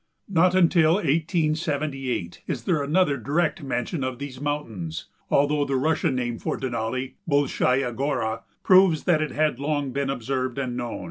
Not until 1878 is there another direct mention of these mountains, although the Russian name for Denali, "Bulshaia Gora," proves that it had long been observed and known.